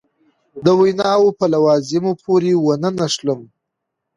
د ویناوو په لوازمو پورې ونه نښلم.